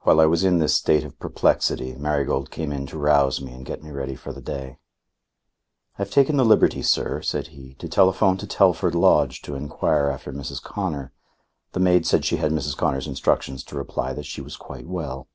While I was in this state of perplexity, Marigold came in to rouse me and get me ready for the day. "I've taken the liberty, sir," said he, "to telephone to Telford Lodge to enquire after Mrs. Connor. The maid said she had Mrs. Connor's instructions to reply that she was quite well."